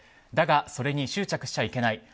だがそれに執着してはいけない。